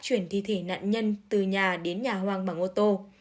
chuyển thi thể nạn nhân từ nhà đến nhà hoang bằng ô tô